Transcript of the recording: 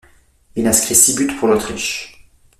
Il inscrit six buts pour l'Autriche.